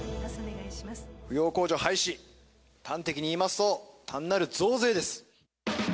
扶養控除廃止、端的に言いますと、単なる増税です。